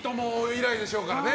以来でしょうからね。